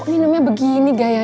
bu minumnya kayak begini santai gaya